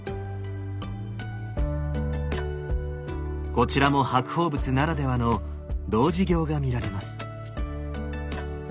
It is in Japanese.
こちらも白鳳仏ならではの童子形が見られます。